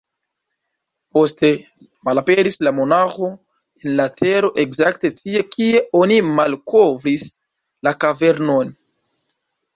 Poste malaperis la monaĥo en la tero ekzakte tie, kie oni malkovris la kavernon.